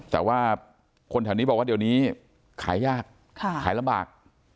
แต่ว่าคนแถวนี้บอกว่าเดี๋ยวนี้ขายยากขายลำบาก